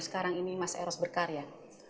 sekarang ini mas eros berkarya